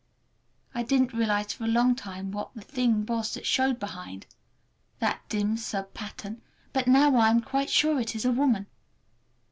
I didn't realize for a long time what the thing was that showed behind,—that dim sub pattern,—but now I am quite sure it is a woman.